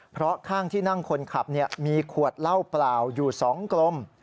เพราะข้างที่นั่งคนขับมีขวดเหล้าเปล่าอยู่๒กลม